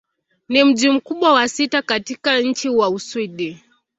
Ni mji mkubwa wa sita katika nchi wa Uswidi.